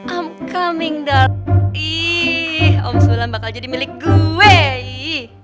am coming the ii om sulam bakal jadi milik gue ii